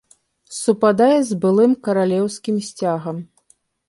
Супадае з былым каралеўскім сцягам.